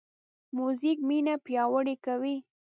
موزیک مینه پیاوړې کوي.